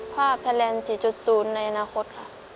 ภาพแทรน๔๐ในอนาคตค่ะ